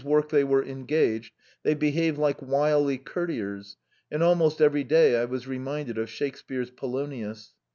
With the customers they behaved like sly courtiers, and almost every day I was reminded of Shakespeare's Polonius.